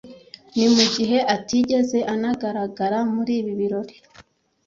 ni mu gihe atigeze anagaragara muri ibi birori